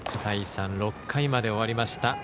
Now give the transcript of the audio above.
６対３６回まで終わりました。